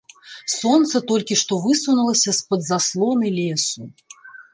Сонца толькі што высунулася з-пад заслоны лесу.